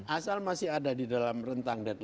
asal masih ada di dalam rentang dead